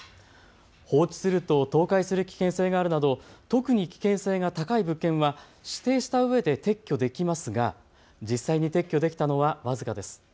放置すると倒壊する危険性があるなど特に危険性が高い物件は指定したうえで撤去できますが実際に撤去できたのは僅かです。